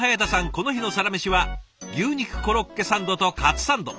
この日のサラメシは牛肉コロッケサンドとカツサンド。